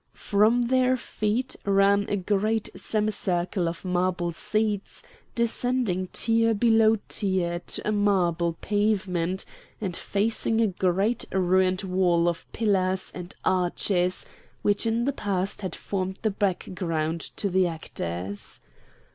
From their feet ran a great semicircle of marble seats, descending tier below tier to a marble pavement, and facing a great ruined wall of pillars and arches which in the past had formed the background for the actors.